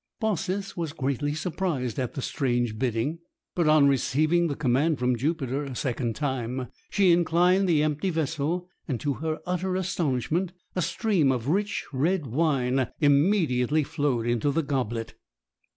Baucis was greatly surprised at the strange bidding; but on receiving the command from Jupiter a second time, she inclined the empty vessel, and to her utter astonishment a stream of rich red wine immediately flowed into the goblet!